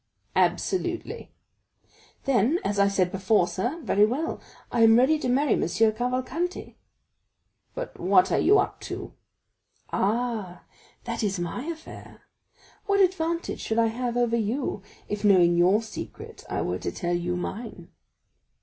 "Absolutely." "Then, as I said before, sir,—very well; I am ready to marry M. Cavalcanti." "But what are you up to?" "Ah, that is my affair. What advantage should I have over you, if knowing your secret I were to tell you mine?"